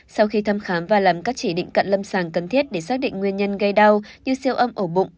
sau khi thăm khám và làm các chỉ định cận lâm sàng cần thiết để xác định nguyên nhân gây đau như siêu âm ổ bụng